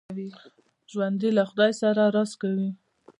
ژوندي له خدای سره راز کوي